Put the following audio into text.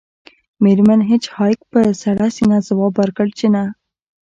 میرمن هیج هاګ په سړه سینه ځواب ورکړ چې نه